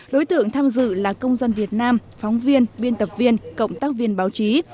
đối tượng tham dự là công dân việt nam phóng viên biên tập viên cộng tác viên báo chí